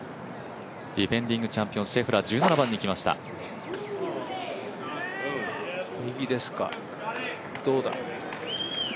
ディフェンディングチャンピオンシェフラー右ですか、どうだ。